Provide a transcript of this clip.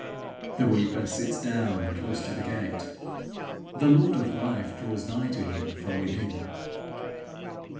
The weeper sits down close to the gate; the lord of life draws nigh to him from within.